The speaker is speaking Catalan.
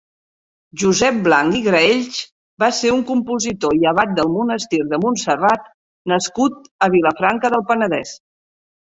Josep Blanch i Graells va ser un compositor i abat del monestir de Montserrat nascut a Vilafranca del Penedès.